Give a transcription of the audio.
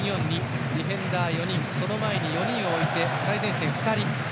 ディフェンダー４人その前に４人置いて最前線に２人。